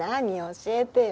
教えてよ。